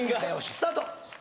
スタート